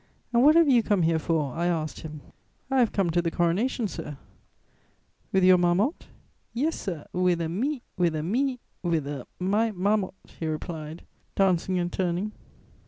"'And what have you come here for?' I asked him. "'I have come to the coronation, sir.' "'With your marmot?' "'Yes, sir, with a mi, with a mi, with a my marmot,' he replied, dancing and turning.